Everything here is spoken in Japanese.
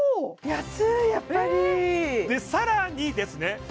安いやっぱりでさらにですね